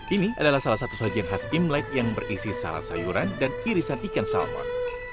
ini adalah salah satu sajian khas imlek yang berisi salad sayuran dan irisan ikan salmon